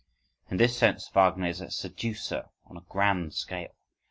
In this sense Wagner is a seducer on a grand scale.